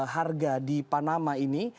harga di panama ini